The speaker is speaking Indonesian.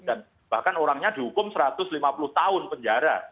dan bahkan orangnya dihukum satu ratus lima puluh tahun penjara